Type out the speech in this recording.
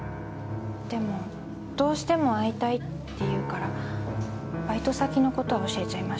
でもどうしても会いたいって言うからバイト先の事は教えちゃいましたけど。